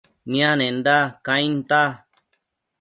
nianenda cainta